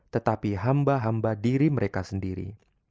tetapi hamba hamba diri mereka sendiri